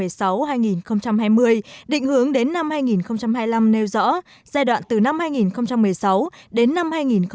đề án tái cơ cấu ngành điện giai đoạn hai nghìn một mươi sáu hai nghìn hai mươi định hướng đến năm hai nghìn hai mươi năm nêu rõ giai đoạn từ năm hai nghìn một mươi sáu đến năm hai nghìn một mươi tám